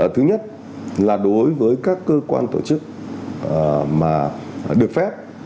thứ nhất là đối với các cơ quan tổ chức mà được phép